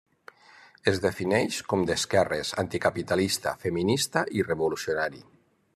Es defineix com d'esquerres, anticapitalista, feminista i revolucionari.